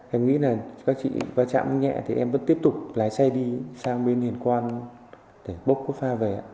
em nghĩ là các chị qua chạm nhẹ thì em vẫn tiếp tục lái xe đi sang bên hình quan để bóp cốt pha về